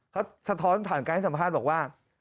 สะธรสถานการแพ่นสัมภาษณ์บอกว่า